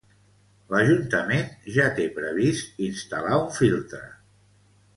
L'Ajuntament ja té previst instal·lar un filtre.